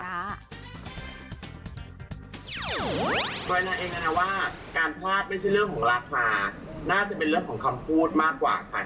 โดยนางเองนะว่าการพลาดไม่ใช่เรื่องของราคาน่าจะเป็นเรื่องของคำพูดมากกว่าค่ะ